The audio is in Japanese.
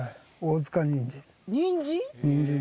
にんじん？